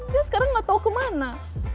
dia sekarang gak tau kemana